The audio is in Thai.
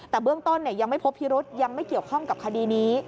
แต่เบื้องต้นยังไม่พบพิรุษยังไม่เกี่ยวข้องกับคดีนี้